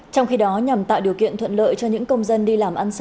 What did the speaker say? trong khi đó nhằm tạo điều kiện thuận lợi cho những công dân đi làm ăn xa